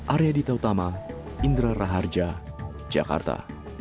arya dita utama indra raharja jakarta